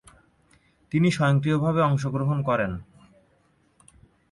তিনি সক্রিয়ভাবে অংশগ্রহণ করেন।